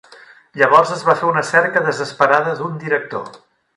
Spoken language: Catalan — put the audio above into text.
Llavors, es va fer una cerca desesperada d"un director.